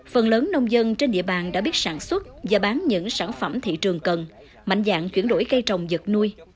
phần lớn nông dân trên địa bàn đã biết sản xuất và bán những sản phẩm thị trường cần mạnh dạng chuyển đổi cây trồng vật nuôi